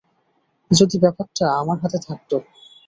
যদি ব্যাপারটা আমার হাতে থাকতো।